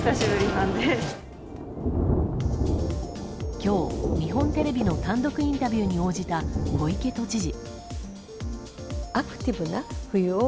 今日、日本テレビの単独インタビューに応じた小池都知事。